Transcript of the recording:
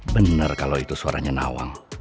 bener kalo itu suaranya nawang